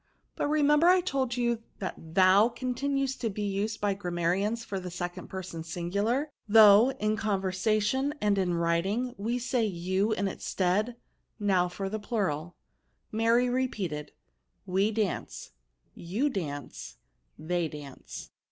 But remember I told you that thou continues to be used by grammarians for the second person singular ; though, in conversation and in writing, we say you in its stead. Now for the plural." Mary repeated, "we dance, you dance, they dance."